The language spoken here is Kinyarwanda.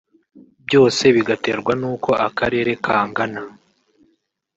byose bigaterwa n’uko akarere kangana